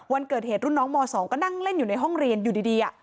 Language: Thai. วันเกิดเหตุรุ่นน้องม๒ก็นั่งเล่นอยู่ในห้องเรียนอยู่ดี